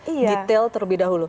detail terlebih dahulu